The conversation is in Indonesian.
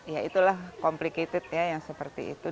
ya itulah complicated ya yang seperti itu